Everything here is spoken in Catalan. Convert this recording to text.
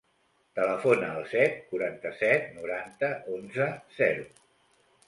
Telefona al set, quaranta-set, noranta, onze, zero.